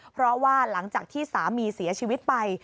เพราะว่าหลังจากที่สามีเสียชีวิตไป